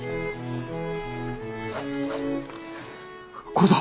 これだ。